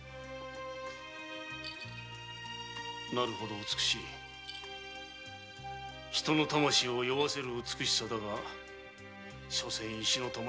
なるほど美しい人の魂を酔わせる美しさだがしょせんは石の玉。